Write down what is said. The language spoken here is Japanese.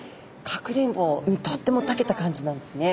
かくれんぼにとってもたけた感じなんですね。